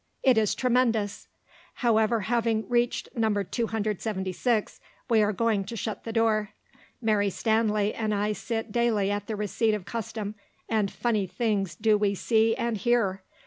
It is tremendous; however, having reached No. 276, we are going to shut the door. Mary Stanley and I sit daily at the receipt of custom, and funny things do we see and hear!